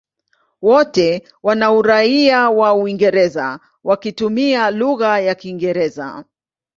Wote wana uraia wa Uingereza wakitumia lugha ya Kiingereza.